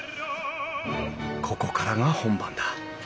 ここからが本番だ。